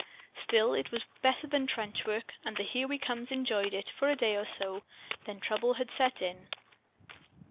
Still, it was better than trench work; and the "Here We Comes" enjoyed it for a day or so. Then trouble had set in.